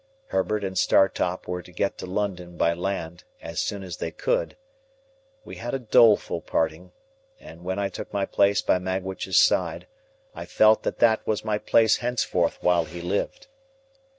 Herbert and Startop were to get to London by land, as soon as they could. We had a doleful parting, and when I took my place by Magwitch's side, I felt that that was my place henceforth while he lived.